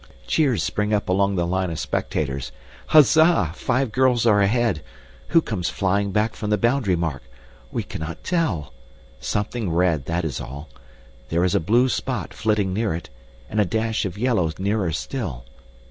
Cheers spring up along the line of spectators. Huzza! Five girls are ahead. Who comes flying back from the boundary mark? We cannot tell. Something red, that is all. There is a blue spot flitting near it, and a dash of yellow nearer still.